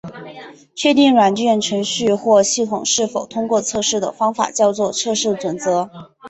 确定软件程序或系统是否通过测试的方法叫做测试准则。